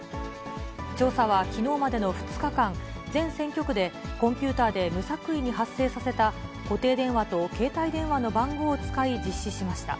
調査はきのうまでの２日間、全選挙区でコンピューターで無作為に発生させた固定電話と携帯電話の番号を使い実施しました。